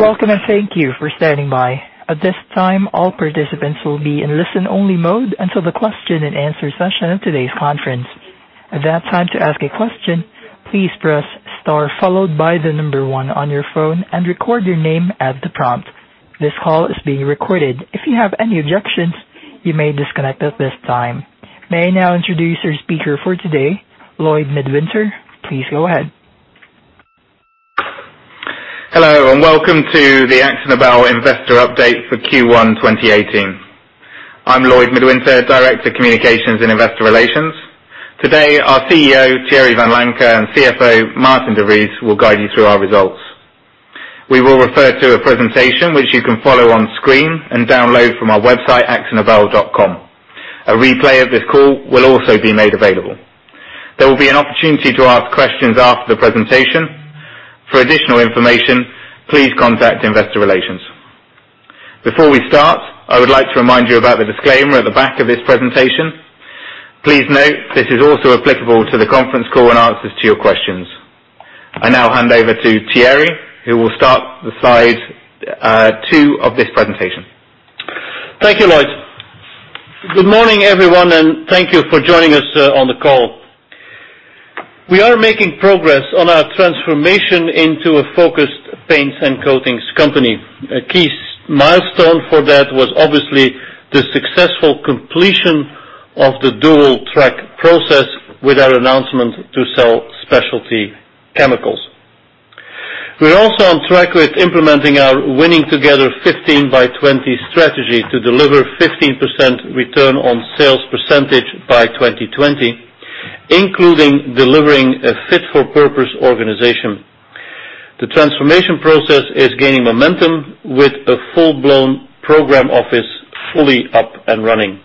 Welcome and thank you for standing by. At this time, all participants will be in listen-only mode until the question and answer session of today's conference. At that time to ask a question, please press star followed by the number one on your phone and record your name at the prompt. This call is being recorded. If you have any objections, you may disconnect at this time. May I now introduce your speaker for today, Lloyd Midwinter. Please go ahead. Hello. Welcome to the Akzo Nobel investor update for Q1 2018. I'm Lloyd Midwinter, Director of Communications and Investor Relations. Today, our CEO, Thierry Vanlancker, and CFO, Maarten de Vries, will guide you through our results. We will refer to a presentation which you can follow on screen and download from our website, akzonobel.com. A replay of this call will also be made available. There will be an opportunity to ask questions after the presentation. For additional information, please contact investor relations. Before we start, I would like to remind you about the disclaimer at the back of this presentation. Please note this is also applicable to the conference call and answers to your questions. I now hand over to Thierry, who will start slide two of this presentation. Thank you, Lloyd. Good morning, everyone. Thank you for joining us on the call. We are making progress on our transformation into a focused paints and coatings company. A key milestone for that was obviously the successful completion of the dual-track process with our announcement to sell Specialty Chemicals. We are also on track with implementing our Winning together: 15 by 20 strategy to deliver 15% return on sales percentage by 2020, including delivering a fit-for-purpose organization. The transformation process is gaining momentum with a full-blown program office fully up and running.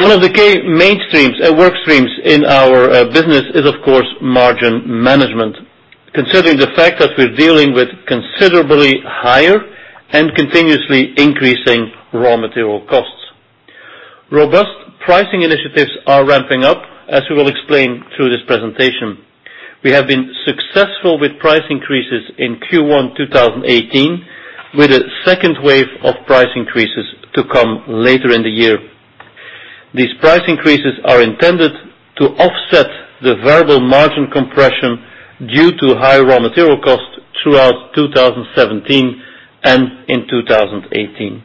One of the key mainstreams and work streams in our business is, of course, margin management. Considering the fact that we're dealing with considerably higher and continuously increasing raw material costs. Robust pricing initiatives are ramping up, as we will explain through this presentation. We have been successful with price increases in Q1 2018, with a second wave of price increases to come later in the year. These price increases are intended to offset the variable margin compression due to high raw material costs throughout 2017 and in 2018.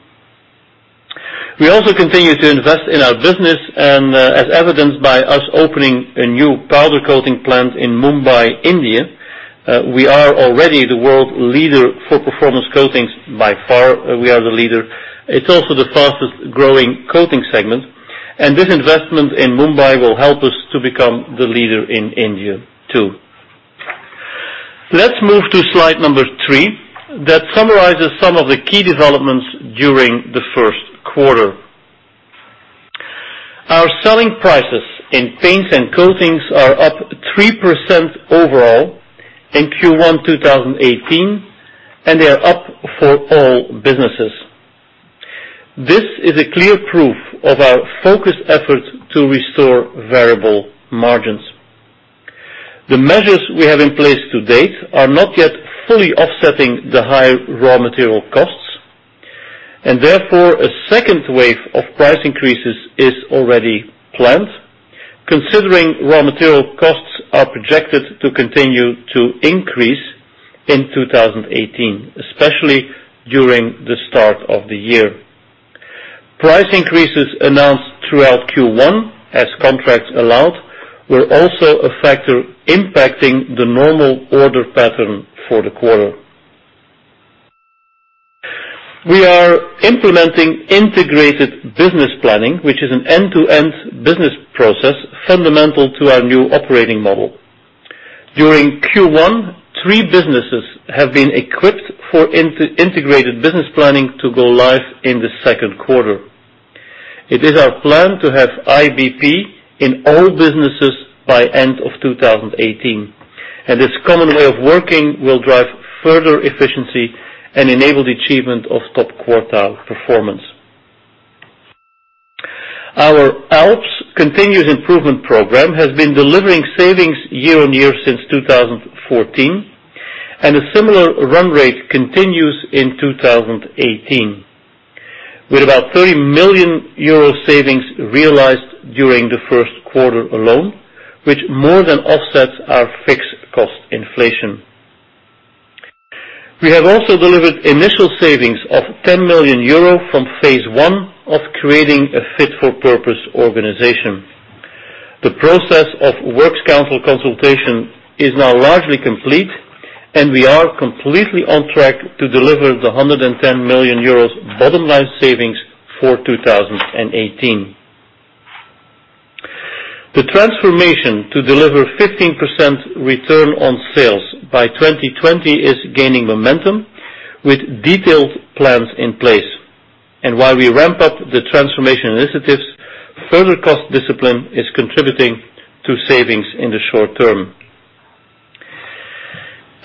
We also continue to invest in our business as evidenced by us opening a new Powder Coatings plant in Mumbai, India. We are already the world leader for Performance Coatings. By far, we are the leader. It's also the fastest-growing coating segment, and this investment in Mumbai will help us to become the leader in India, too. Let's move to slide number three that summarizes some of the key developments during the first quarter. Our selling prices in paints and coatings are up 3% overall in Q1 2018. They are up for all businesses. This is a clear proof of our focused effort to restore variable margins. The measures we have in place to date are not yet fully offsetting the high raw material costs. Therefore, a second wave of price increases is already planned. Considering raw material costs are projected to continue to increase in 2018, especially during the start of the year. Price increases announced throughout Q1, as contracts allowed, were also a factor impacting the normal order pattern for the quarter. We are implementing integrated business planning, which is an end-to-end business process fundamental to our new operating model. During Q1, three businesses have been equipped for integrated business planning to go live in the second quarter. It is our plan to have IBP in all businesses by end of 2018. This common way of working will drive further efficiency and enable the achievement of top quartile performance. Our ALPS continuous improvement program has been delivering savings year-on-year since 2014. A similar run rate continues in 2018. With about 30 million euro savings realized during the first quarter alone, which more than offsets our fixed cost inflation. We have also delivered initial savings of 10 million euro from phase one of creating a fit-for-purpose organization. The process of works council consultation is now largely complete. We are completely on track to deliver the 110 million euros bottom-line savings for 2018. The transformation to deliver 15% return on sales by 2020 is gaining momentum with detailed plans in place. While we ramp up the transformation initiatives, further cost discipline is contributing to savings in the short term.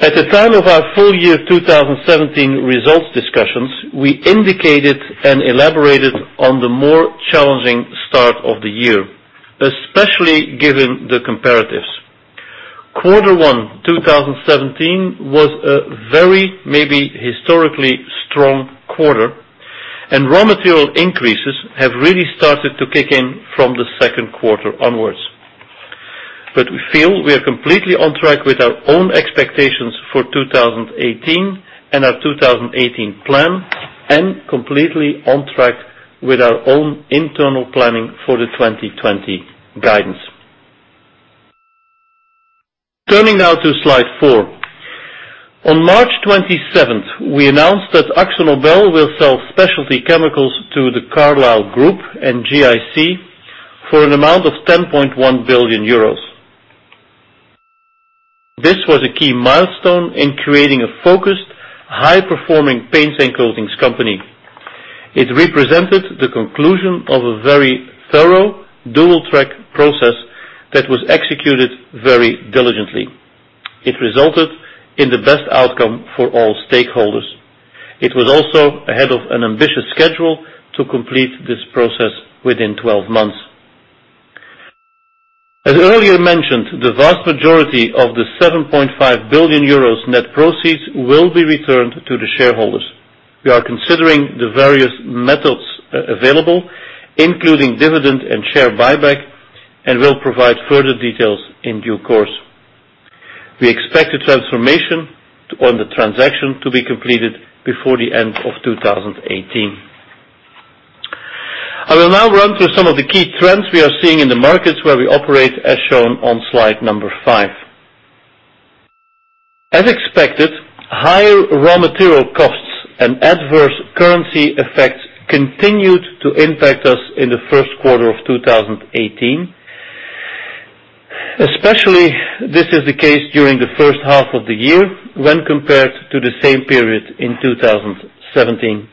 At the time of our full year 2017 results discussions, we indicated and elaborated on the more challenging start of the year. Especially given the comparatives. Quarter one 2017 was a very, maybe historically strong quarter. Raw material increases have really started to kick in from the second quarter onwards. We feel we are completely on track with our own expectations for 2018 and our 2018 plan, completely on track with our own internal planning for the 2020 guidance. Turning now to slide four. On March 27th, we announced that Akzo Nobel will sell Specialty Chemicals to the Carlyle Group and GIC for an amount of 10.1 billion euros. This was a key milestone in creating a focused, high-performing paints and coatings company. It represented the conclusion of a very thorough dual-track process that was executed very diligently. It resulted in the best outcome for all stakeholders. It was also ahead of an ambitious schedule to complete this process within 12 months. As earlier mentioned, the vast majority of the 7.5 billion euros net proceeds will be returned to the shareholders. We are considering the various methods available, including dividend and share buyback. Will provide further details in due course. We expect the transformation on the transaction to be completed before the end of 2018. I will now run through some of the key trends we are seeing in the markets where we operate, as shown on slide number five. As expected, higher raw material costs and adverse currency effects continued to impact us in the first quarter of 2018. Especially, this is the case during the first half of the year when compared to the same period in 2017.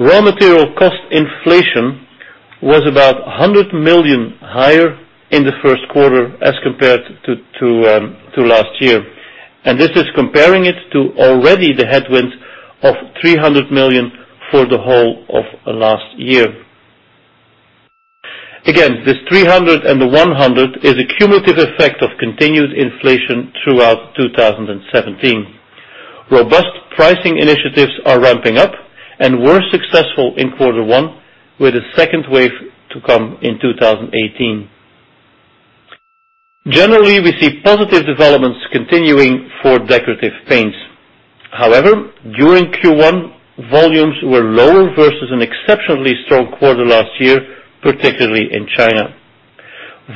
Raw material cost inflation was about 100 million higher in the first quarter as compared to last year, and this is comparing it to already the headwind of 300 million for the whole of last year. Again, this 300 and the 100 is a cumulative effect of continued inflation throughout 2017. Robust pricing initiatives are ramping up and were successful in Q1 with the second wave to come in 2018. Generally, we see positive developments continuing for Decorative Paints. However, during Q1, volumes were lower versus an exceptionally strong quarter last year, particularly in China.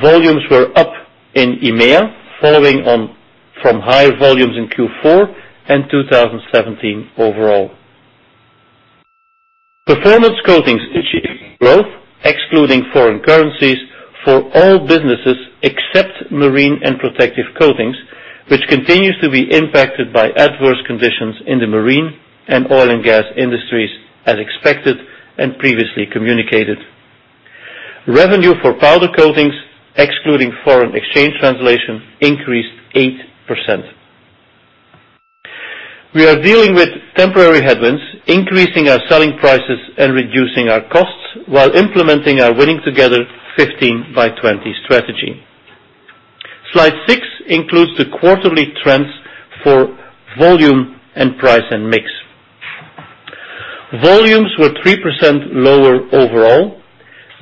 Volumes were up in EMEA, following on from higher volumes in Q4 and 2017 overall. Performance Coatings achieved growth excluding foreign currencies for all businesses except Marine and Protective Coatings, which continues to be impacted by adverse conditions in the marine and oil and gas industries as expected and previously communicated. Revenue for Powder Coatings, excluding foreign exchange translation, increased 8%. We are dealing with temporary headwinds, increasing our selling prices, and reducing our costs while implementing our Winning together: 15 by 20 strategy. Slide six includes the quarterly trends for volume and price, and mix. Volumes were 3% lower overall,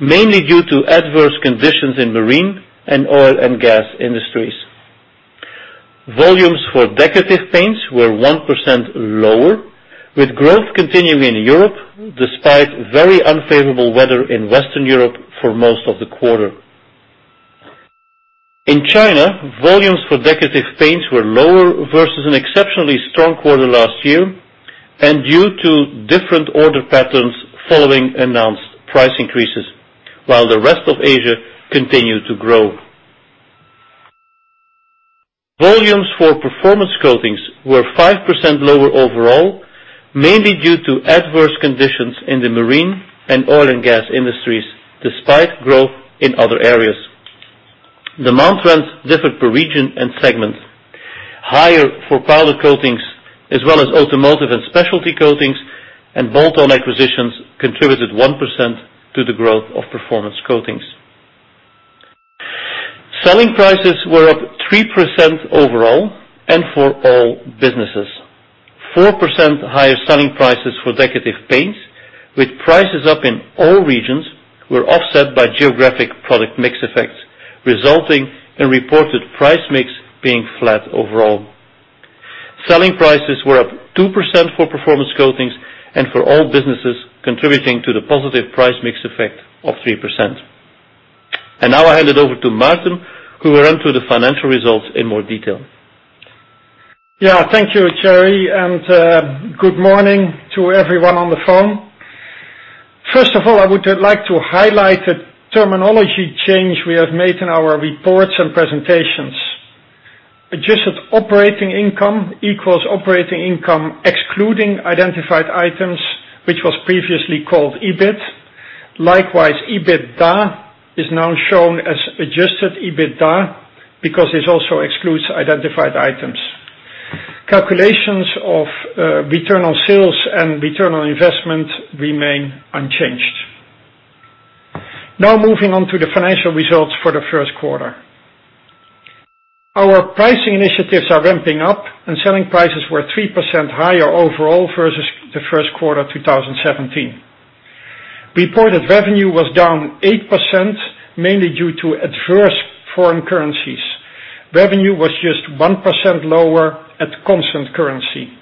mainly due to adverse conditions in marine and oil and gas industries. Volumes for Decorative Paints were 1% lower, with growth continuing in Europe despite very unfavorable weather in Western Europe for most of the quarter. In China, volumes for Decorative Paints were lower versus an exceptionally strong quarter last year, and due to different order patterns following announced price increases, while the rest of Asia continued to grow. Volumes for Performance Coatings were 5% lower overall, mainly due to adverse conditions in the marine and oil and gas industries, despite growth in other areas. The month trends differ per region and segment. Higher for Powder Coatings as well as Automotive and Specialty Coatings, and bolt-on acquisitions contributed 1% to the growth of Performance Coatings. Selling prices were up 3% overall and for all businesses. 4% higher selling prices for Decorative Paints with prices up in all regions were offset by geographic product mix effects, resulting in reported price mix being flat overall. Selling prices were up 2% for Performance Coatings and for all businesses contributing to the positive price mix effect of 3%. Now I hand it over to Maarten, who will run through the financial results in more detail. Thank you, Thierry, and good morning to everyone on the phone. First of all, I would like to highlight the terminology change we have made in our reports and presentations. adjusted operating income equals operating income excluding identified items, which was previously called EBIT. Likewise, EBITDA is now shown as adjusted EBITDA because this also excludes identified items. Calculations of return on sales and return on investment remain unchanged. Now moving on to the financial results for the first quarter. Our pricing initiatives are ramping up and selling prices were 3% higher overall versus the first quarter 2017. Reported revenue was down 8%, mainly due to adverse foreign currencies. Revenue was just 1% lower at constant currency.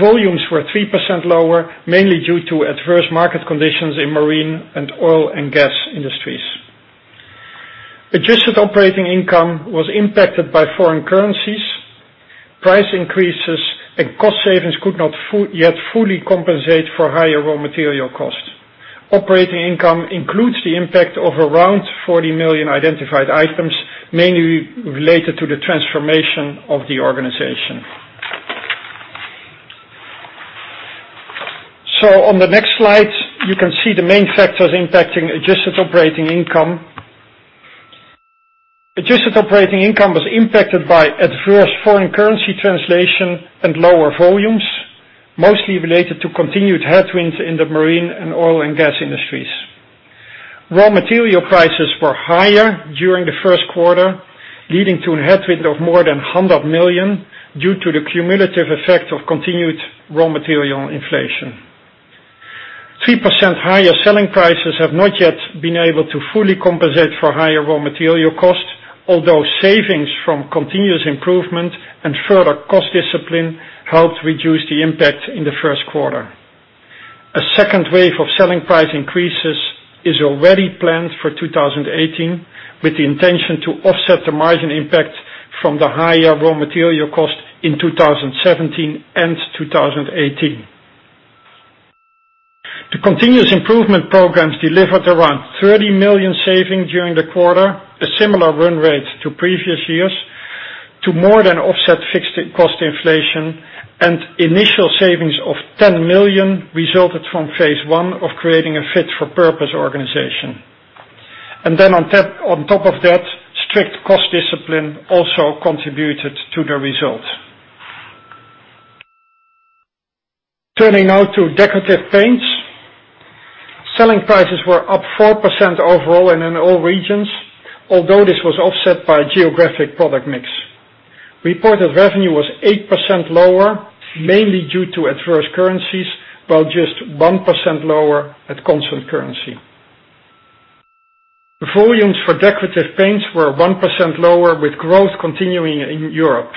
Volumes were 3% lower, mainly due to adverse market conditions in marine and oil and gas industries. Adjusted operating income was impacted by foreign currencies, price increases, and cost savings could not yet fully compensate for higher raw material costs. Operating income includes the impact of around 40 million identified items, mainly related to the transformation of the organization. On the next slide, you can see the main factors impacting adjusted operating income. Adjusted operating income was impacted by adverse foreign currency translation and lower volumes, mostly related to continued headwinds in the marine and oil and gas industries. Raw material prices were higher during the first quarter, leading to a headwind of more than 100 million due to the cumulative effect of continued raw material inflation. 3% higher selling prices have not yet been able to fully compensate for higher raw material costs, although savings from continuous improvement and further cost discipline helped reduce the impact in the first quarter. A second wave of selling price increases is already planned for 2018, with the intention to offset the margin impact from the higher raw material cost in 2017 and 2018. The continuous improvement programs delivered around 30 million saving during the quarter, a similar run rate to previous years, to more than offset fixed cost inflation and initial savings of 10 million resulted from phase 1 of creating a Fit for Purpose organization. On top of that, strict cost discipline also contributed to the result. Turning now to Decorative Paints. Selling prices were up 4% overall and in all regions, although this was offset by geographic product mix. Reported revenue was 8% lower, mainly due to adverse currencies, while just 1% lower at constant currency. Volumes for Decorative Paints were 1% lower with growth continuing in Europe.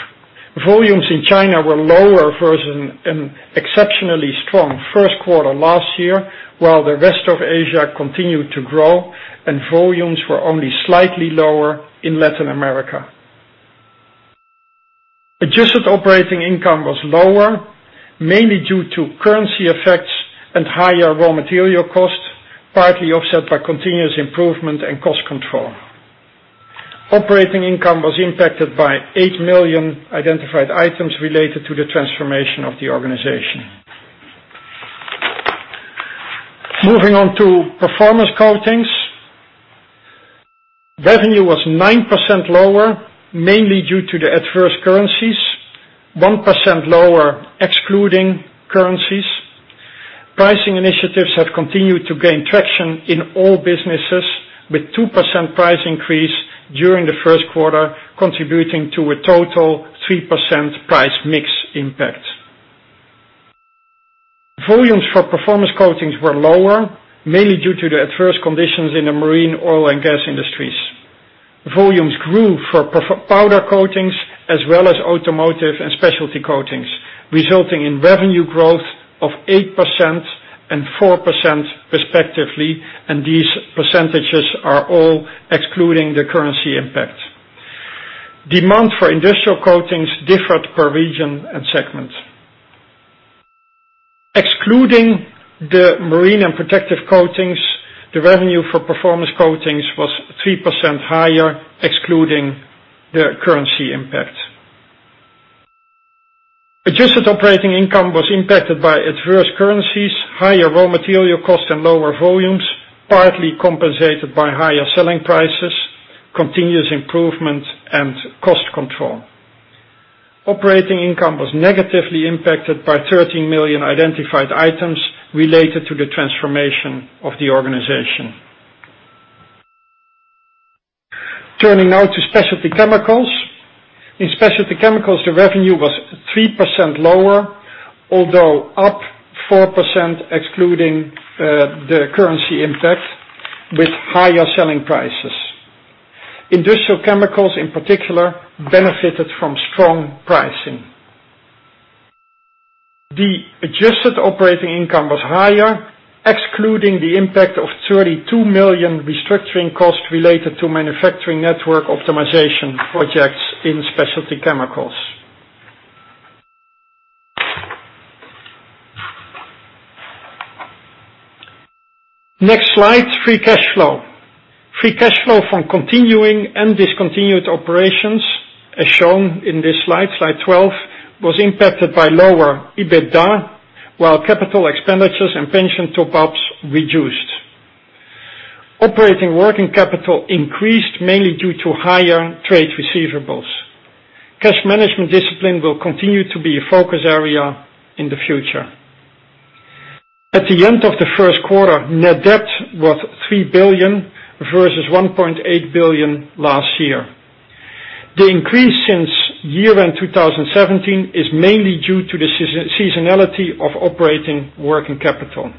Volumes in China were lower versus an exceptionally strong first quarter last year, while the rest of Asia continued to grow and volumes were only slightly lower in Latin America. Adjusted operating income was lower, mainly due to currency effects and higher raw material costs, partly offset by continuous improvement and cost control. Operating income was impacted by 8 million identified items related to the transformation of the organization. Moving on to Performance Coatings. Revenue was 9% lower, mainly due to the adverse currencies, 1% lower excluding currencies. Pricing initiatives have continued to gain traction in all businesses, with 2% price increase during the first quarter contributing to a total 3% price mix impact. Volumes for Performance Coatings were lower, mainly due to the adverse conditions in the marine, oil, and gas industries. Volumes grew for Powder Coatings as well as Automotive and Specialty Coatings, resulting in revenue growth of 8% and 4% respectively, and these percentages are all excluding the currency impact. Demand for Industrial Coatings differed per region and segment. Excluding the Marine, Protective and Yacht Coatings, the revenue for Performance Coatings was 3% higher, excluding the currency impact. Adjusted operating income was impacted by adverse currencies, higher raw material costs and lower volumes, partly compensated by higher selling prices, continuous improvement, and cost control. Operating income was negatively impacted by 13 million identified items related to the transformation of the organization. Turning now to Specialty Chemicals. In Specialty Chemicals, the revenue was 3% lower, although up 4% excluding the currency impact with higher selling prices. Industrial Chemicals, in particular, benefited from strong pricing. The adjusted operating income was higher, excluding the impact of 32 million restructuring costs related to manufacturing network optimization projects in Specialty Chemicals. Next slide, free cash flow. Free cash flow from continuing and discontinued operations, as shown in this slide 12, was impacted by lower EBITDA, while capital expenditures and pension top-ups reduced. Operating working capital increased mainly due to higher trade receivables. Cash management discipline will continue to be a focus area in the future. At the end of the first quarter, net debt was 3 billion versus 1.8 billion last year. The increase since year-end 2017 is mainly due to the seasonality of operating working capital.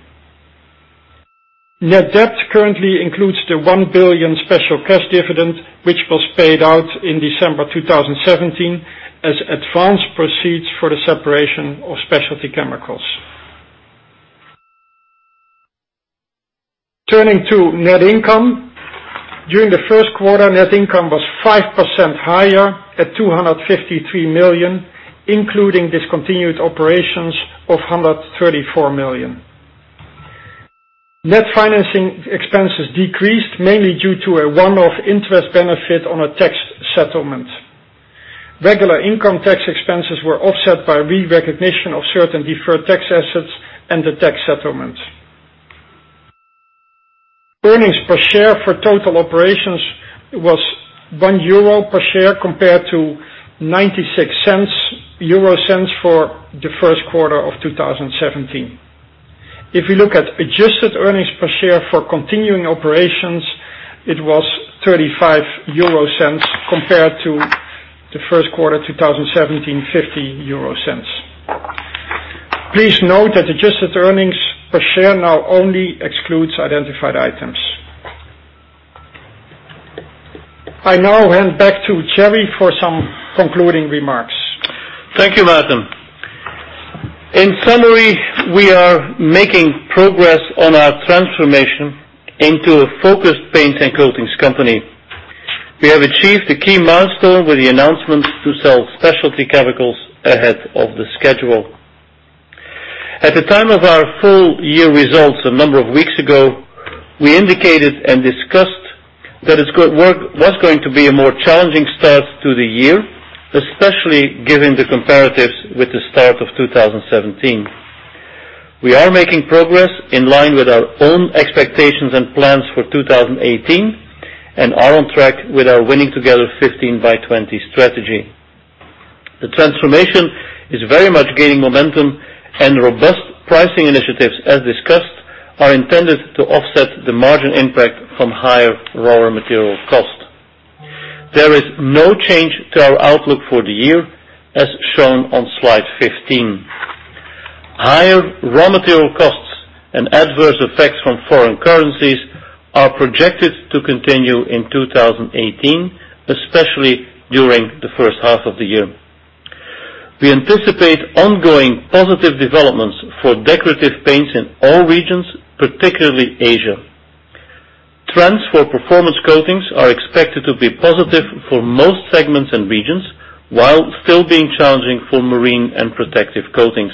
Net debt currently includes the 1 billion special cash dividend, which was paid out in December 2017 as advance proceeds for the separation of Specialty Chemicals. Turning to net income. During the first quarter, net income was 5% higher at 253 million, including discontinued operations of 134 million. Net financing expenses decreased mainly due to a one-off interest benefit on a tax settlement. Regular income tax expenses were offset by re-recognition of certain deferred tax assets and the tax settlement. Earnings per share for total operations was 1 euro per share compared to 0.96 for the first quarter of 2017. If you look at adjusted earnings per share for continuing operations, it was 0.35 compared to the first quarter 2017, 0.50. Please note that adjusted earnings per share now only excludes identified items. I now hand back to Thierry for some concluding remarks. Thank you, Maarten. In summary, we are making progress on our transformation into a focused paints and coatings company. We have achieved a key milestone with the announcement to sell Specialty Chemicals ahead of the schedule. At the time of our full year results a number of weeks ago, we indicated and discussed that it was going to be a more challenging start to the year, especially given the comparatives with the start of 2017. We are making progress in line with our own expectations and plans for 2018 and are on track with our Winning together: 15 by 20 strategy. The transformation is very much gaining momentum and robust pricing initiatives, as discussed, are intended to offset the margin impact from higher raw material cost. There is no change to our outlook for the year as shown on slide 15. Higher raw material costs and adverse effects from foreign currencies are projected to continue in 2018, especially during the first half of the year. We anticipate ongoing positive developments for Decorative Paints in all regions, particularly Asia. Trends for Performance Coatings are expected to be positive for most segments and regions, while still being challenging for Marine and Protective Coatings.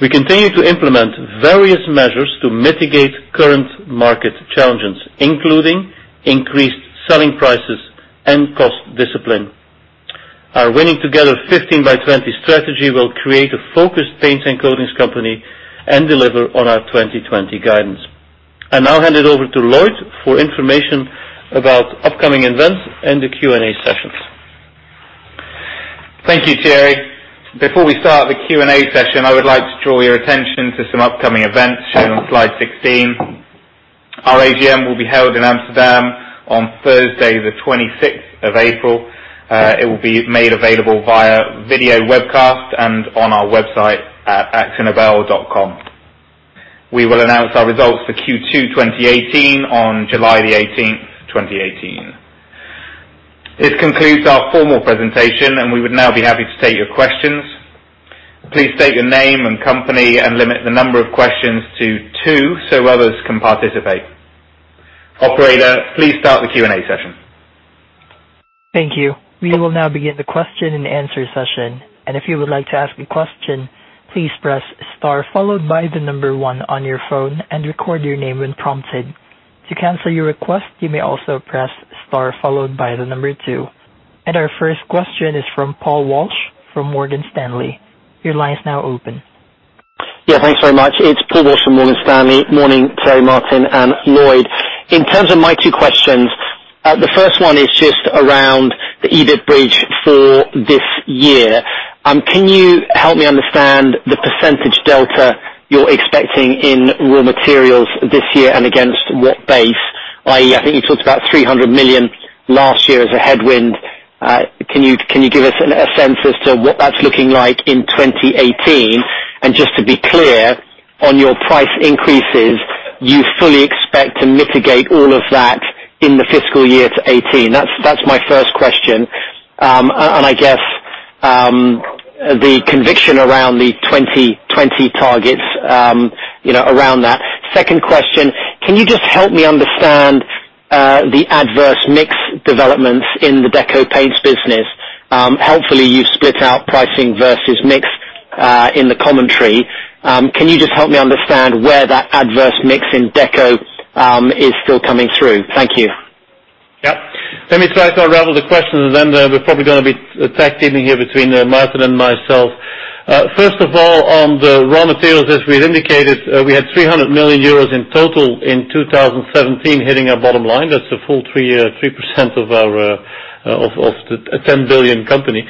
We continue to implement various measures to mitigate current market challenges, including increased selling prices and cost discipline. Our Winning together: 15 by 20 strategy will create a focused paints and coatings company and deliver on our 2020 guidance. I now hand it over to Lloyd for information about upcoming events and the Q&A sessions. Thank you, Gerry. Before we start the Q&A session, I would like to draw your attention to some upcoming events shown on slide 16. Our AGM will be held in Amsterdam on Thursday the 26th of April. It will be made available via video webcast and on our website at akzonobel.com. We will announce our results for Q2 2018 on July the 18th, 2018. This concludes our formal presentation and we would now be happy to take your questions. Please state your name and company and limit the number of questions to two so others can participate. Operator, please start the Q&A session. Thank you. We will now begin the question and answer session. If you would like to ask a question, please press star followed by the number one on your phone and record your name when prompted. To cancel your request, you may also press star followed by the number two. Our first question is from Paul Walsh from Morgan Stanley. Your line is now open. Yeah, thanks very much. It's Paul Walsh from Morgan Stanley. Morning, Gerry, Martin, and Lloyd. In terms of my two questions, the first one is just around the EBIT bridge for this year. Can you help me understand the percentage delta you're expecting in raw materials this year and against what base? I think you talked about 300 million last year as a headwind. Can you give us a sense as to what that's looking like in 2018? Just to be clear, on your price increases, you fully expect to mitigate all of that in the fiscal year to 2018. That's my first question. I guess the conviction around the 2020 targets around that. Second question, can you just help me understand the adverse mix developments in the Deco Paints business? Helpfully, you've split out pricing versus mix in the commentary. Can you just help me understand where that adverse mix in Deco is still coming through? Thank you. Yep. Let me try to unravel the question. Then we're probably going to be tag teaming here between Maarten and myself. First of all, on the raw materials, as we had indicated, we had 300 million euros in total in 2017 hitting our bottom line. That's a full 3% of our 10 billion company.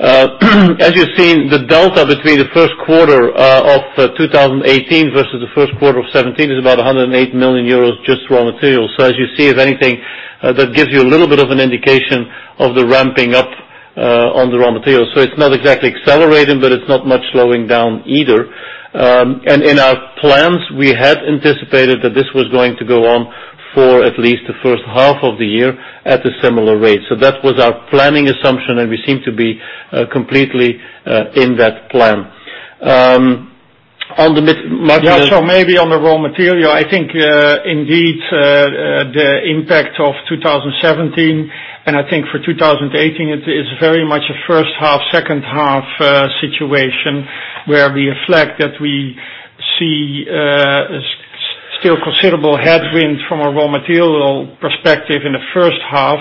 As you've seen, the delta between the first quarter of 2018 versus the first quarter of 2017 is about 108 million euros just raw materials. As you see, if anything, that gives you a little bit of an indication of the ramping up on the raw materials. It's not exactly accelerating, but it's not much slowing down either. In our plans, we had anticipated that this was going to go on for at least the first half of the year at a similar rate. That was our planning assumption, and we seem to be completely in that plan. On the mid-market- Yeah, maybe on the raw material, I think, indeed, the impact of 2017, and I think for 2018, it is very much a first half, second half situation where we reflect that we see still considerable headwind from a raw material perspective in the first half.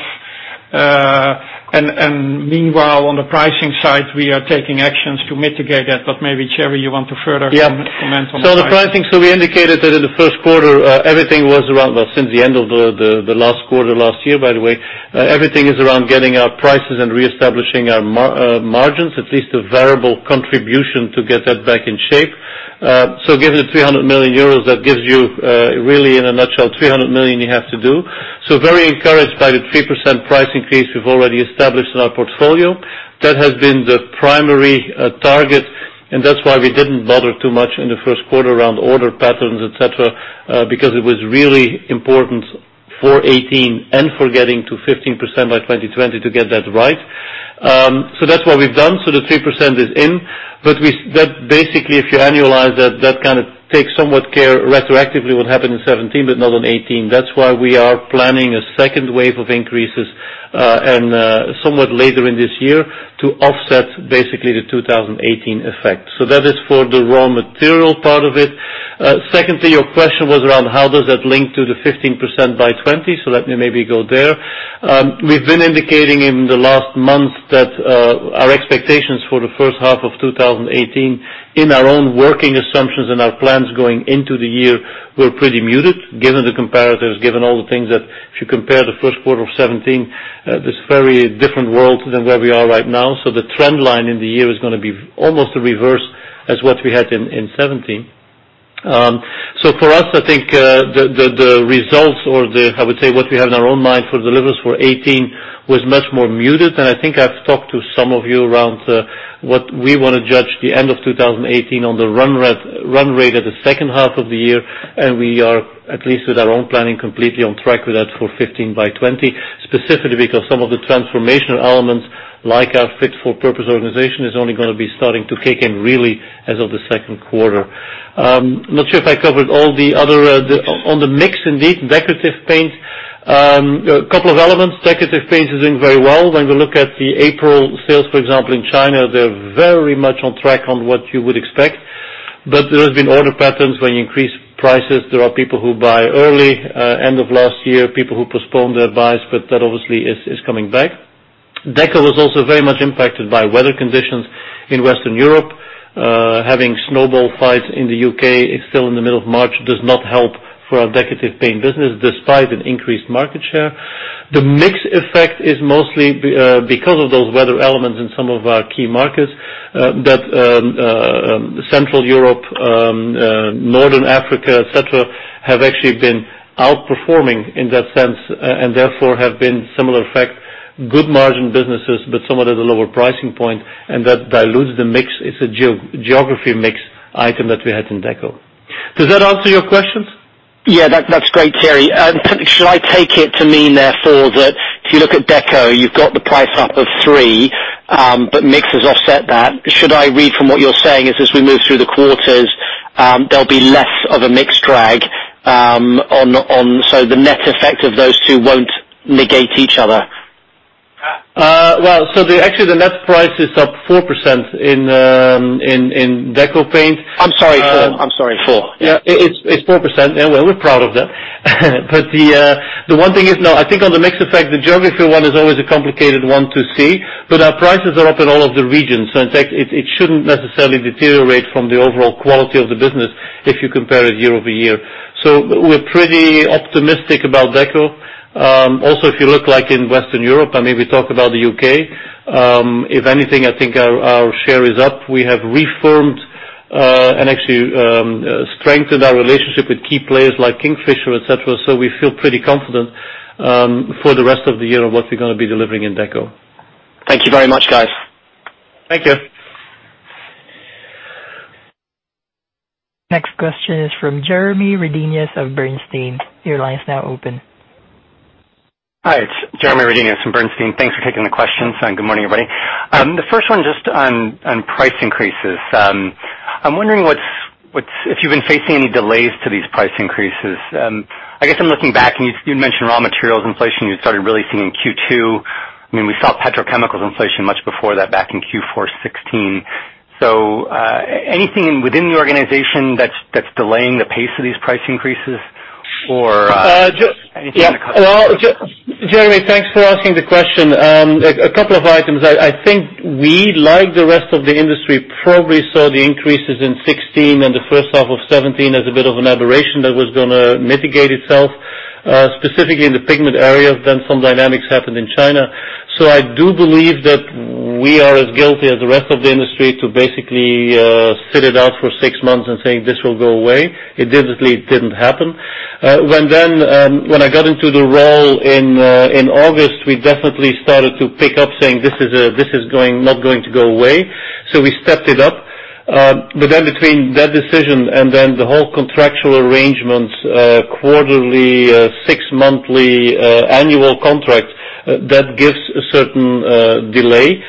Meanwhile, on the pricing side, we are taking actions to mitigate that, but maybe, Thierry, you want to further comment on the pricing. Yeah. The pricing, we indicated that in the first quarter, everything was around Well, since the end of the last quarter last year, by the way, everything is around getting our prices and reestablishing our margins, at least a variable contribution to get that back in shape. Given the 300 million euros, that gives you, really in a nutshell, 300 million you have to do. Very encouraged by the 3% price increase we've already established in our portfolio. That has been the primary target. That's why we didn't bother too much in the first quarter around order patterns, et cetera, because it was really important for 2018 and for getting to 15% by 2020 to get that right. That's what we've done. The 3% is in, but basically, if you annualize that kind of takes somewhat care retroactively what happened in 2017, but not in 2018. That's why we are planning a second wave of increases and somewhat later in this year to offset basically the 2018 effect. That is for the raw material part of it. Secondly, your question was around how does that link to the 15% by 2020, let me maybe go there. We've been indicating in the last month that our expectations for the first half of 2018 in our own working assumptions and our plans going into the year were pretty muted given the comparatives, given all the things that if you compare the first quarter of 2017, this very different world than where we are right now. The trend line in the year is going to be almost the reverse as what we had in 2017. For us, I think, the results or I would say what we have in our own mind for deliveries for 2018 was much more muted than I think I've talked to some of you around what we want to judge the end of 2018 on the run rate of the second half of the year, and we are at least with our own planning completely on track with that for 15 by 2020, specifically because some of the transformational elements like our Fit for Purpose organization is only going to be starting to kick in really as of the second quarter. Not sure if I covered all the other. On the mix, indeed, Decorative Paints. A couple of elements. Decorative Paints is doing very well. When we look at the April sales, for example, in China, they're very much on track on what you would expect. There has been order patterns when you increase prices. There are people who buy early end of last year, people who postponed their buys, but that obviously is coming back. Deco was also very much impacted by weather conditions in Western Europe. Having snowball fights in the U.K. still in the middle of March does not help for our Decorative Paints business, despite an increased market share. The mix effect is mostly because of those weather elements in some of our key markets that Central Europe, Northern Africa, et cetera, have actually been outperforming in that sense, and therefore, have been similar effect, good margin businesses, but somewhat at a lower pricing point, and that dilutes the mix. It's a geography mix item that we had in Deco. Does that answer your questions? Yeah. That's great, Thierry. Should I take it to mean therefore that if you look at Deco, you've got the price up of three, but mix has offset that. Should I read from what you're saying is as we move through the quarters, there'll be less of a mix drag, so the net effect of those two won't negate each other? Well, so actually, the net price is up 4% in Deco paint. I'm sorry, four. Yeah. It's 4%. Well, we're proud of that. The one thing is no, I think on the mix effect, the geography one is always a complicated one to see, but our prices are up in all of the regions. In fact, it shouldn't necessarily deteriorate from the overall quality of the business if you compare it year-over-year. We're pretty optimistic about Deco. Also, if you look like in Western Europe, I mean, we talk about the U.K. If anything, I think our share is up. We have reformed, and actually strengthened our relationship with key players like Kingfisher, et cetera. We feel pretty confident for the rest of the year on what we're going to be delivering in Deco. Thank you very much, guys. Thank you. Next question is from Jeremy Redenius of Bernstein. Your line is now open. Hi, it's Jeremy Redenius from Bernstein. Thanks for taking the questions. Good morning, everybody. The first one just on price increases. I'm wondering if you've been facing any delays to these price increases. I guess I'm looking back. You'd mentioned raw materials inflation you started really seeing in Q2. We saw petrochemicals inflation much before that back in Q4 2016. Anything within the organization that's delaying the pace of these price increases or anything Jeremy, thanks for asking the question. A couple of items. I think we, like the rest of the industry, probably saw the increases in 2016 and the first half of 2017 as a bit of an aberration that was going to mitigate itself, specifically in the pigment area. Some dynamics happened in China. I do believe that we are as guilty as the rest of the industry to basically sit it out for 6 months and say, "This will go away." It definitely didn't happen. When I got into the role in August, we definitely started to pick up saying, "This is not going to go away." We stepped it up. Between that decision and then the whole contractual arrangements, quarterly, 6 monthly annual contract, that gives a certain delay.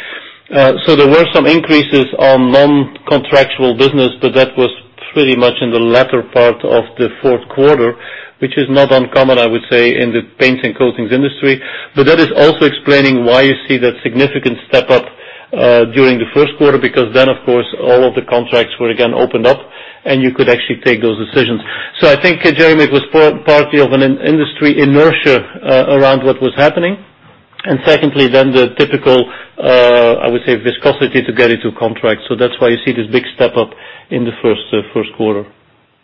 There were some increases on non-contractual business, but that was pretty much in the latter part of the fourth quarter, which is not uncommon, I would say, in the paints and coatings industry. That is also explaining why you see that significant step up during the first quarter, because then, of course, all of the contracts were again opened up, and you could actually take those decisions. I think, Jeremy, it was partly of an industry inertia around what was happening. Secondly, then the typical, I would say, viscosity to get into contracts. That's why you see this big step up in the first quarter.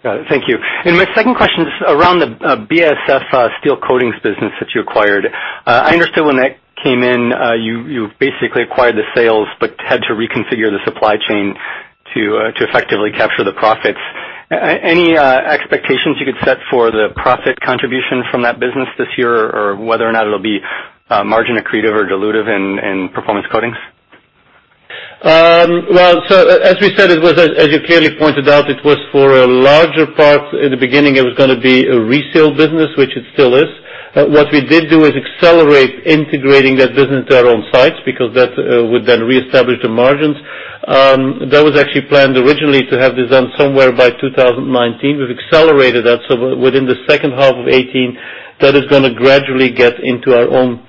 Got it. Thank you. My second question is around the BASF steel coatings business that you acquired. I understood when that came in, you basically acquired the sales, but had to reconfigure the supply chain to effectively capture the profits. Any expectations you could set for the profit contribution from that business this year, or whether or not it'll be margin accretive or dilutive in Performance Coatings? Well, as we said, as you clearly pointed out, it was for a larger part, in the beginning, it was going to be a resale business, which it still is. What we did do is accelerate integrating that business to our own sites, because that would then reestablish the margins. That was actually planned originally to have this done somewhere by 2019. We've accelerated that, within the second half of 2018, that is going to gradually get into our own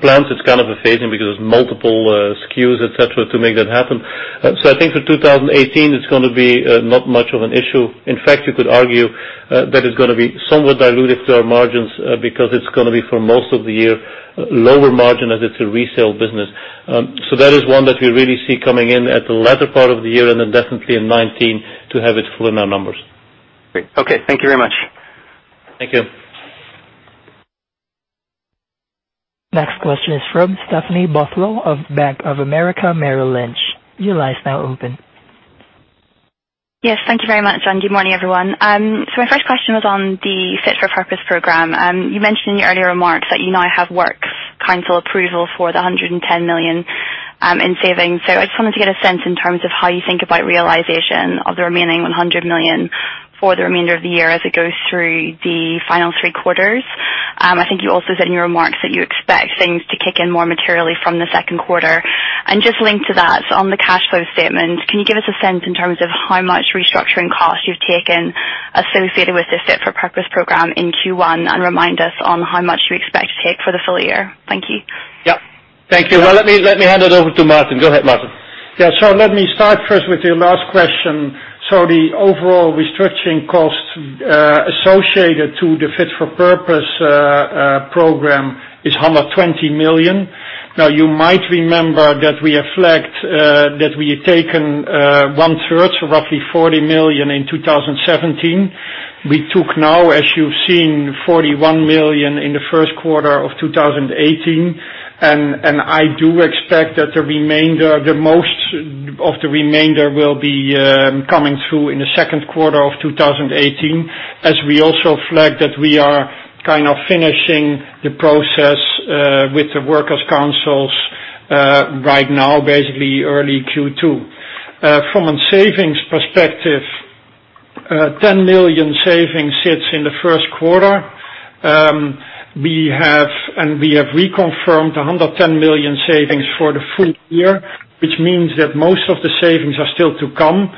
plans. It's kind of a phase-in because there's multiple SKUs, et cetera, to make that happen. I think for 2018, it's going to be not much of an issue. In fact, you could argue that it's going to be somewhat dilutive to our margins because it's going to be, for most of the year, lower margin as it's a resale business. That is one that we really see coming in at the latter part of the year and then definitely in 2019 to have it full in our numbers. Great. Okay. Thank you very much. Thank you. Next question is from Stefano Toffano of Bank of America Merrill Lynch. Your line's now open. Yes, thank you very much, and good morning, everyone. My first question was on the Fit for Purpose program. You mentioned in your earlier remarks that you now have works council approval for the 110 million in savings. I just wanted to get a sense in terms of how you think about realization of the remaining 100 million for the remainder of the year as it goes through the final three quarters. I think you also said in your remarks that you expect things to kick in more materially from the second quarter. Just linked to that, on the cash flow statement, can you give us a sense in terms of how much restructuring costs you've taken associated with the Fit for Purpose program in Q1, and remind us on how much you expect to take for the full year? Thank you. Thank you. Let me hand it over to Martin. Go ahead, Martin. Let me start first with your last question. The overall restructuring costs associated to the Fit for Purpose program is 120 million. You might remember that we had taken one-third, so roughly 40 million in 2017. We took now, as you've seen, 41 million in the first quarter of 2018. I do expect that most of the remainder will be coming through in the second quarter of 2018, as we also flagged that we are kind of finishing the process with the workers councils right now, basically early Q2. From a savings perspective, 10 million savings sits in the first quarter. We have reconfirmed 110 million savings for the full year, which means that most of the savings are still to come,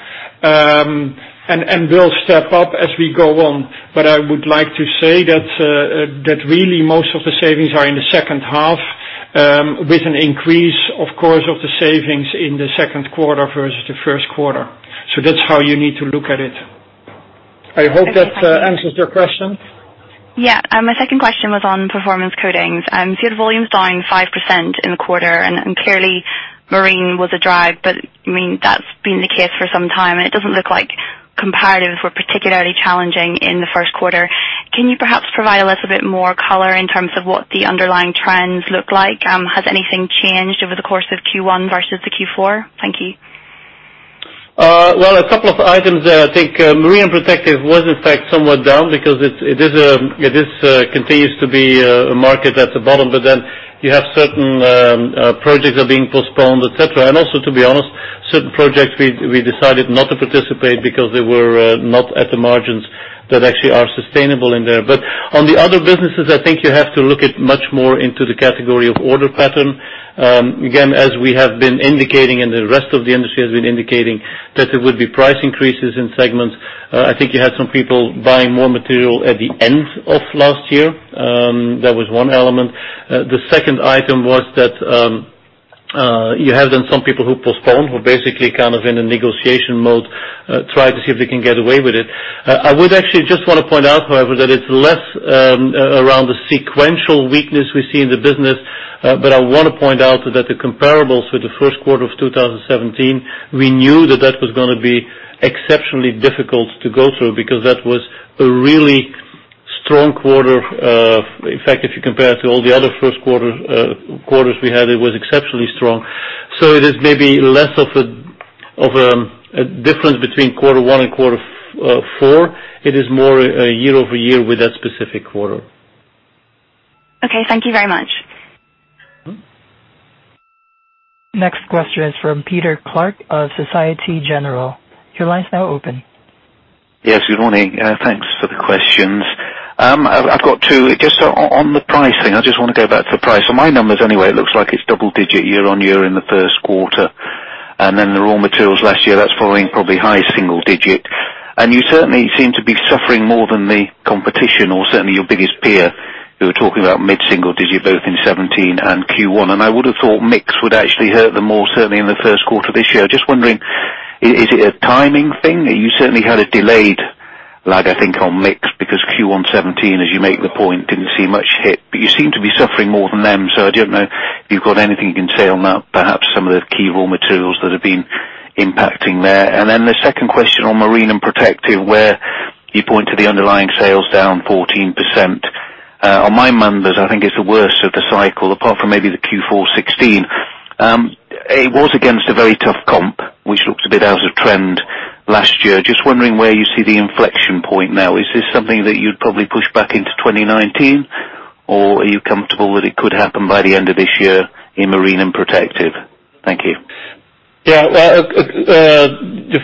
and will step up as we go on. I would like to say that really most of the savings are in the second half, with an increase, of course, of the savings in the second quarter versus the first quarter. That's how you need to look at it. I hope that answers your question. Yeah. My second question was on Performance Coatings. Your volume's down 5% in the quarter, and clearly Marine was a drag, but that's been the case for some time, and it doesn't look like comparatives were particularly challenging in the first quarter. Can you perhaps provide a little bit more color in terms of what the underlying trends look like? Has anything changed over the course of Q1 versus the Q4? Thank you. Well, a couple of items there. I think Marine Protective was in fact somewhat down because it continues to be a market at the bottom, you have certain projects are being postponed, et cetera. Also, to be honest, certain projects we decided not to participate because they were not at the margins that actually are sustainable in there. On the other businesses, I think you have to look at much more into the category of order pattern. Again, as we have been indicating, and the rest of the industry has been indicating, that there would be price increases in segments I think you had some people buying more material at the end of last year. That was one element. The second item was that you have then some people who postponed, who basically kind of in a negotiation mode, try to see if they can get away with it. I would actually just want to point out, however, that it's less around the sequential weakness we see in the business. I want to point out that the comparables for the first quarter of 2017, we knew that that was going to be exceptionally difficult to go through because that was a really strong quarter. In fact, if you compare it to all the other first quarters we had, it was exceptionally strong. It is maybe less of a difference between quarter one and quarter four. It is more a year-over-year with that specific quarter. Okay, thank you very much. Next question is from Peter Clark of Societe Generale. Your line's now open. Yes, good morning. Thanks for the questions. I've got two. Just on the pricing, I just want to go back to the price. On my numbers anyway, it looks like it's double-digit year-over-year in the first quarter. Then the raw materials last year, that's following probably high single-digit. You certainly seem to be suffering more than the competition or certainly your biggest peer, who are talking about mid-single-digit both in 2017 and Q1. I would have thought mix would actually hurt them more, certainly in the first quarter this year. Just wondering, is it a timing thing? You certainly had a delayed lag, I think, on mix because Q1 2017, as you make the point, didn't see much hit, but you seem to be suffering more than them. I don't know if you've got anything you can say on that, perhaps some of the key raw materials that have been impacting there. The second question on Marine and Protective, where you point to the underlying sales down 14%. On my numbers, I think it's the worst of the cycle, apart from maybe the Q4 2016. It was against a very tough comp, which looked a bit out of trend last year. Just wondering where you see the inflection point now. Is this something that you'd probably push back into 2019? Or are you comfortable that it could happen by the end of this year in Marine and Protective? Thank you. Yeah.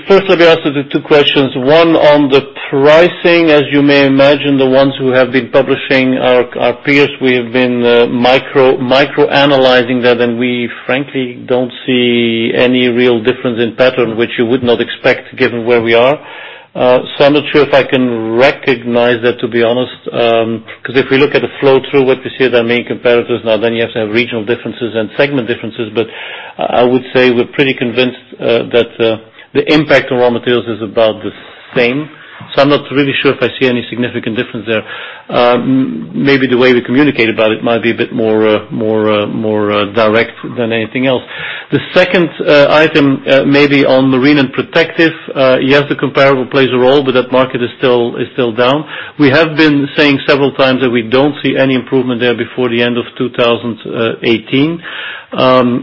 First, let me answer the two questions. One on the pricing. As you may imagine, the ones who have been publishing are peers. We have been micro-analyzing that. We frankly don't see any real difference in pattern, which you would not expect given where we are. I'm not sure if I can recognize that, to be honest. Because if we look at the flow through what we see are their main competitors now, you have to have regional differences and segment differences. I would say we're pretty convinced that the impact of raw materials is about the same. I'm not really sure if I see any significant difference there. Maybe the way we communicate about it might be a bit more direct than anything else. The second item, maybe on marine and protective, yes, the comparable plays a role, but that market is still down. We have been saying several times that we don't see any improvement there before the end of 2018.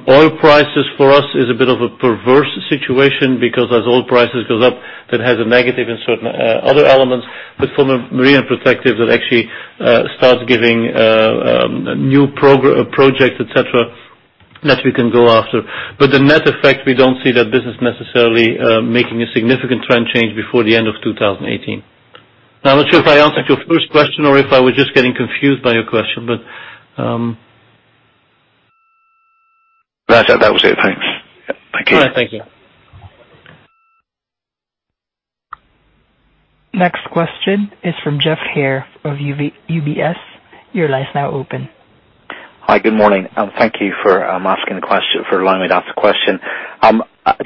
Oil prices for us is a bit of a perverse situation because as oil prices goes up, that has a negative in certain other elements. From a marine and protective, that actually starts giving new projects, et cetera, that we can go after. The net effect, we don't see that business necessarily making a significant trend change before the end of 2018. I'm not sure if I answered your first question or if I was just getting confused by your question, but That was it. Thanks. Thank you. All right, thank you. Next question is from Geoffrey Haire of UBS. Your line's now open. Hi, good morning. Thank you for allowing me to ask a question. I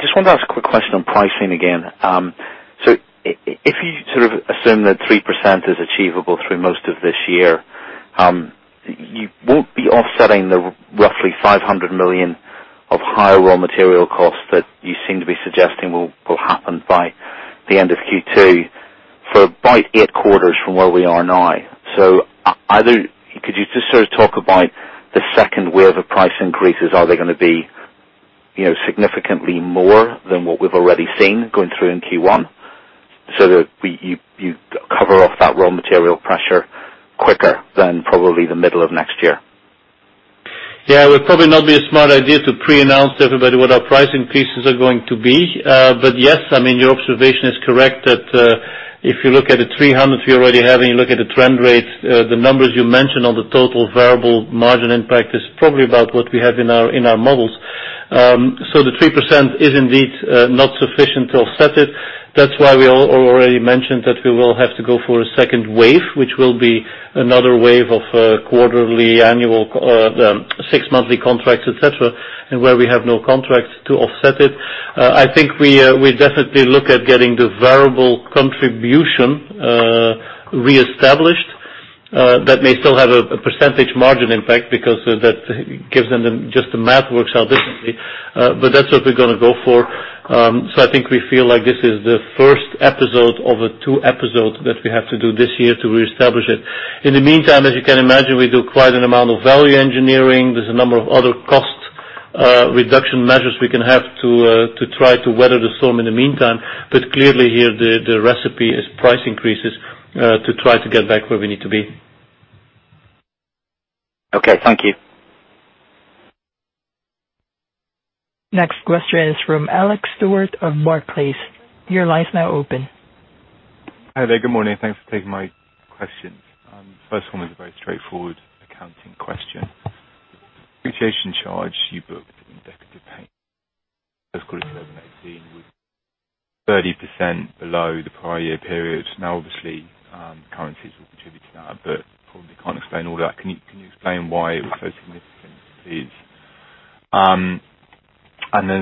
just wanted to ask a quick question on pricing again. If you sort of assume that 3% is achievable through most of this year, you won't be offsetting the roughly 500 million of higher raw material costs that you seem to be suggesting will happen by the end of Q2 for about 8 quarters from where we are now. Could you just sort of talk about the second wave of price increases? Are they going to be significantly more than what we've already seen going through in Q1 so that you cover off that raw material pressure quicker than probably the middle of next year? Yeah, it would probably not be a smart idea to pre-announce to everybody what our price increases are going to be. Yes, I mean, your observation is correct that if you look at the 300 million we already have and you look at the trend rates, the numbers you mentioned on the total variable margin impact is probably about what we have in our models. The 3% is indeed not sufficient to offset it. That's why we already mentioned that we will have to go for a second wave, which will be another wave of quarterly annual six-monthly contracts, et cetera, and where we have no contracts to offset it. I think we definitely look at getting the variable contribution re-established. That may still have a percentage margin impact because just the math works out differently. That's what we're going to go for. I think we feel like this is the first episode of a 2 episode that we have to do this year to reestablish it. In the meantime, as you can imagine, we do quite an amount of value engineering. There's a number of other cost reduction measures we can have to try to weather the storm in the meantime. Clearly here, the recipe is price increases, to try to get back where we need to be. Okay, thank you. Next question is from Alex Stewart of Barclays. Your line's now open. Hi there. Good morning. Thanks for taking my questions. First one is a very straightforward accounting question. Depreciation charge you booked First quarter 2018 was 30% below the prior year period. Obviously, currencies will contribute to that, but probably can't explain all that. Can you explain why it was so significant, please?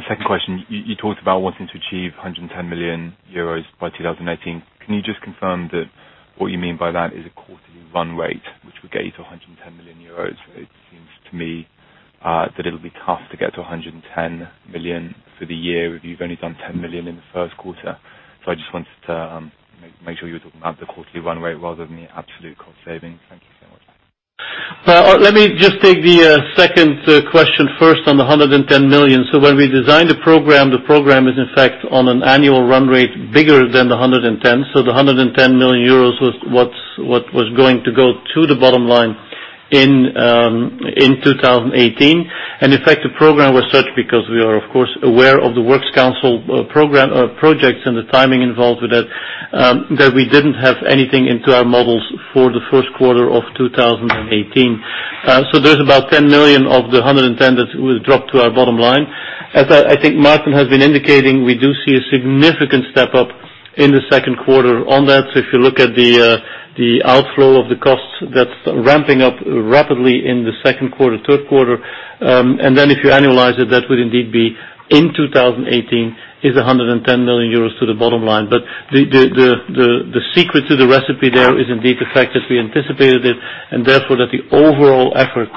Second question, you talked about wanting to achieve 110 million euros by 2018. Can you just confirm that what you mean by that is a quarterly run rate, which would get you to 110 million euros? It seems to me that it'll be tough to get to 110 million for the year if you've only done 10 million in the First quarter. I just wanted to make sure you were talking about the quarterly run rate rather than the absolute cost saving. Thank you so much. Let me just take the second question first on the 110 million. When we designed the program, the program is in fact on an annual run rate bigger than the 110. The 110 million euros was what was going to go to the bottom line in 2018. In fact, the program was such because we are of course aware of the works council projects and the timing involved with that we didn't have anything into our models for the First quarter of 2018. There's about 10 million of the 110 that will drop to our bottom line. As I think Maarten has been indicating, we do see a significant step up in the second quarter on that. If you look at the outflow of the cost, that's ramping up rapidly in the second quarter, third quarter. If you annualize it, that would indeed be in 2018, is 110 million euros to the bottom line. The secret to the recipe there is indeed the fact that we anticipated it, and therefore, that the overall effort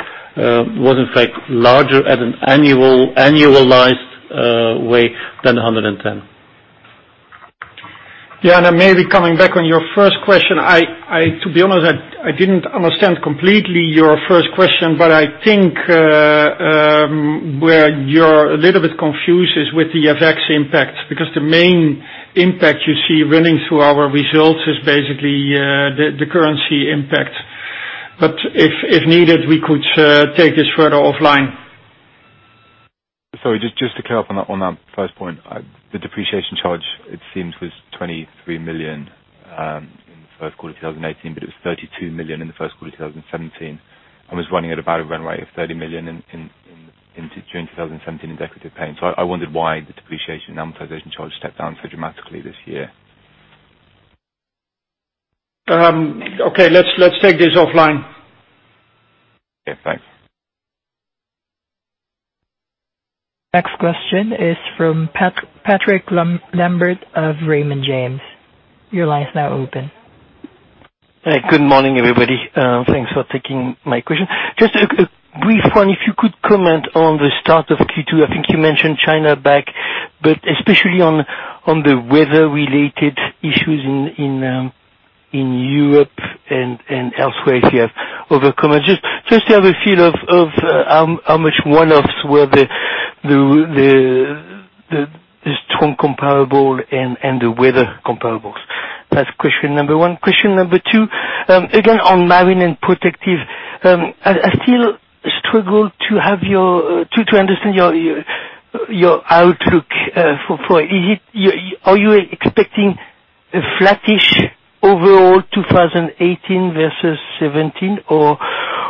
was in fact larger at an annualized way than 110. Maybe coming back on your first question. To be honest, I didn't understand completely your first question, but I think where you're a little bit confused is with the FX impact, because the main impact you see running through our results is basically the currency impact. If needed, we could take this further offline. Sorry, just to clear up on that first point. The depreciation charge, it seems, was 23 million in the first quarter 2018, but it was 32 million in the first quarter 2017, and was running at about a run rate of 30 million during 2017 in Decorative Paints. I wondered why the depreciation amortization charge stepped down so dramatically this year. Okay, let's take this offline. Yeah. Thanks. Next question is from Patrick Lambert of Raymond James. Your line is now open. Hey, good morning, everybody. Thanks for taking my question. Just a brief one, if you could comment on the start of Q2. I think you mentioned China back, but especially on the weather-related issues in Europe and elsewhere, if you have other comments. Just to have a feel of how much one-offs were the strong comparable and the weather comparables. That is question number one. Question number two, again, on Marine and Protective, I still struggle to understand your outlook for it. Are you expecting a flattish overall 2018 versus 2017,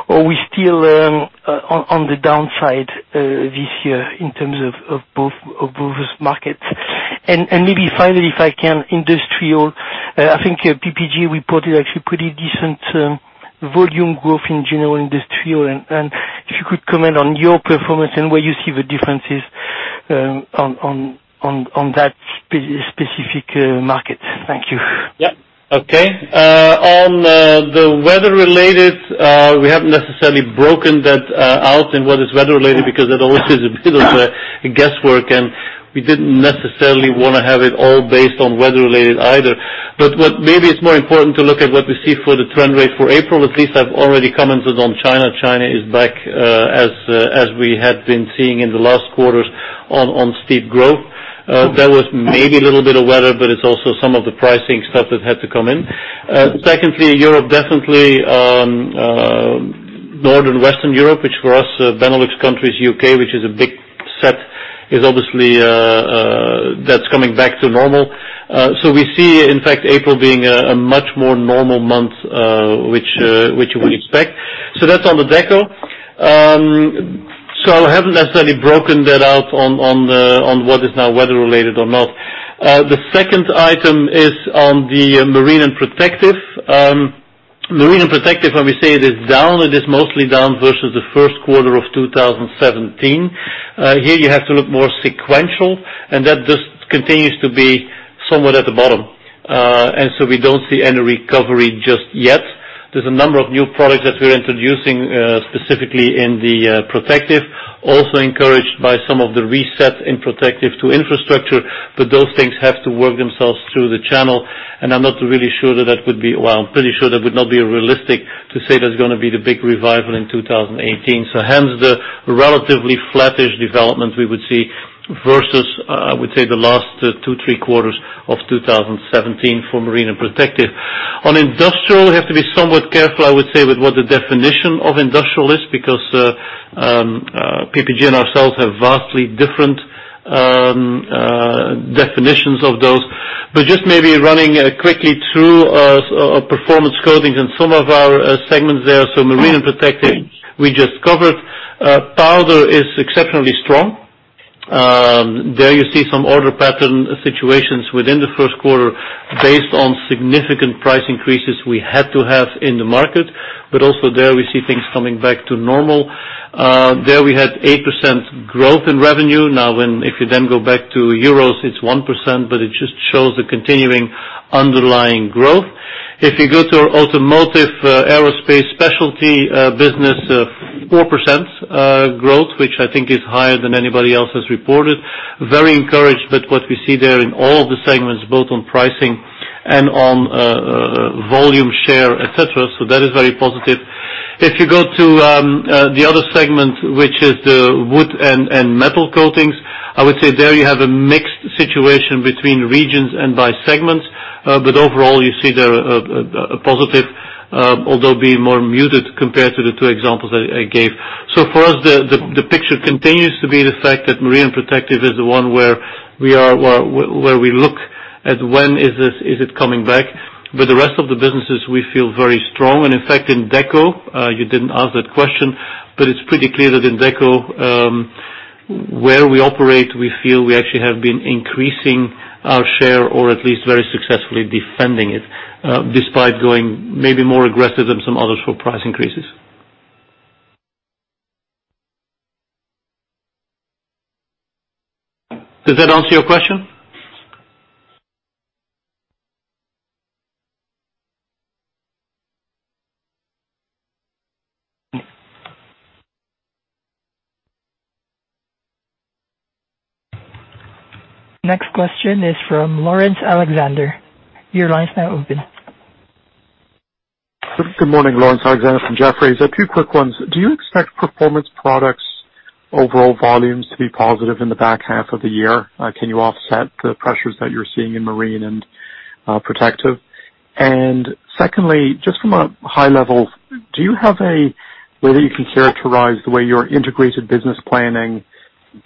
or are we still on the downside this year in terms of both markets? Maybe finally, if I can, industrial. I think PPG reported actually pretty decent volume growth in general industrial, and if you could comment on your performance and where you see the differences on that specific market. Thank you. Yeah. Okay. On the weather-related, we haven't necessarily broken that out in what is weather-related because that always is a bit of a guesswork, and we didn't necessarily want to have it all based on weather-related either. What maybe is more important to look at what we see for the trend rate for April, at least I've already commented on China. China is back as we had been seeing in the last quarters on steep growth. That was maybe a little bit of weather, but it is also some of the pricing stuff that had to come in. Secondly, Europe definitely, Northern and Western Europe, which for us, Benelux countries, U.K., which is a big set, that is coming back to normal. We see, in fact, April being a much more normal month, which you would expect. That is on the Deco. I haven't necessarily broken that out on what is now weather-related or not. The second item is on the Marine and Protective. Marine and Protective, when we say it is down, it is mostly down versus the first quarter of 2017. Here you have to look more sequential, and that just continues to be somewhat at the bottom. We don't see any recovery just yet. There is a number of new products that we are introducing, specifically in the protective, also encouraged by some of the reset in protective to infrastructure, but those things have to work themselves through the channel, and I am not really sure that that would be Well, I am pretty sure that would not be realistic to say that is going to be the big revival in 2018. Hence the relatively flattish development we would see versus, I would say, the last two, three quarters of 2017 for Marine and Protective. On industrial, we have to be somewhat careful, I would say, with what the definition of industrial is because PPG and ourselves have vastly different definitions of those. Just maybe running quickly through our Performance Coatings and some of our segments there. Marine and Protective, we just covered. Powder is exceptionally strong. There you see some order pattern situations within the first quarter based on significant price increases we had to have in the market, but also there we see things coming back to normal. There we had 8% growth in revenue. Now, if you then go back to EUR, it is 1%, but it just shows the continuing underlying growth. If you go to our Automotive Aerospace Specialty Business, 4% growth, which I think is higher than anybody else has reported. Very encouraged with what we see there in all of the segments, both on pricing and on volume share, et cetera. That is very positive. If you go to the other segment, which is the wood and metal coatings, I would say there you have a mixed situation between regions and by segments. Overall, you see there a positive, although being more muted compared to the two examples that I gave. For us, the picture continues to be the fact that Marine and Protective is the one where we look at when is it coming back. The rest of the businesses we feel very strong. In fact, in Deco, you didn't ask that question, it's pretty clear that in Deco, where we operate, we feel we actually have been increasing our share or at least very successfully defending it, despite going maybe more aggressive than some others for price increases. Does that answer your question? Next question is from Laurence Alexander. Your line is now open. Good morning. Laurence Alexander from Jefferies. Two quick ones. Do you expect Performance Coatings overall volumes to be positive in the back half of the year? Can you offset the pressures that you're seeing in Marine and Protective? Secondly, just from a high level, do you have a way that you can characterize the way your integrated business planning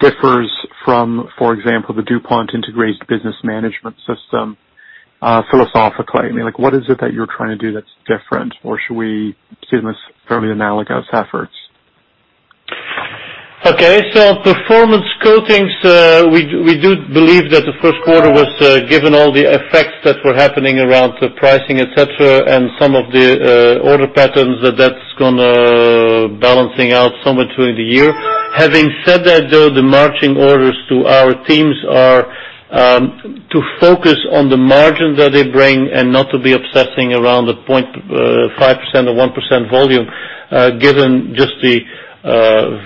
differs from, for example, the DuPont Integrated Business Management system, philosophically? I mean, what is it that you're trying to do that's different? Or should we see them as fairly analogous efforts? Performance Coatings, we do believe that the first quarter was given all the effects that were happening around the pricing, et cetera, and some of the order patterns that's gonna balance out somewhere through the year. Having said that, though, the marching orders to our teams are to focus on the margin that they bring and not to be obsessing around the 0.5% or 1% volume, given just the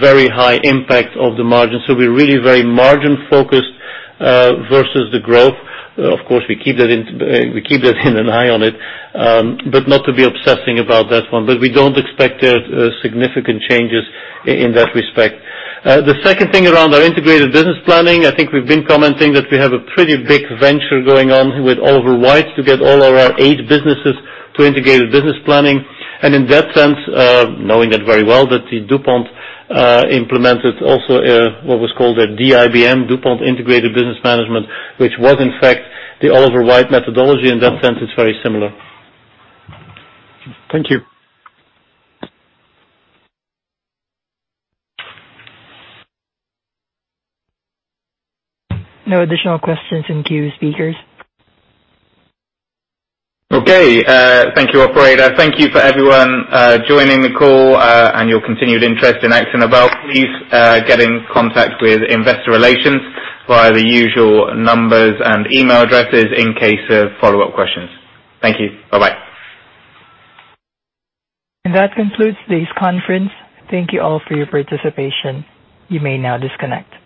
very high impact of the margin. We're really very margin-focused versus the growth. Of course, we keep an eye on it, but not to be obsessing about that one. We don't expect significant changes in that respect. The second thing around our integrated business planning, I think we've been commenting that we have a pretty big venture going on with Oliver Wight to get all of our eight businesses to integrated business planning. In that sense, knowing that very well that DuPont implemented also what was called a DIBM, DuPont Integrated Business Management, which was in fact the Oliver Wight methodology. In that sense, it's very similar. Thank you. No additional questions in queue, speakers. Okay. Thank you, operator. Thank you for everyone joining the call and your continued interest in Akzo Nobel. Please get in contact with investor relations via the usual numbers and email addresses in case of follow-up questions. Thank you. Bye-bye. That concludes today's conference. Thank you all for your participation. You may now disconnect.